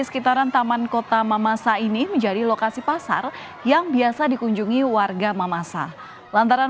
sekitaran taman kota mamasa ini menjadi lokasi pasar yang biasa dikunjungi warga mamasa lantaran